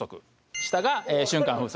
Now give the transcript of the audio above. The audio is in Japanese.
下が瞬間風速。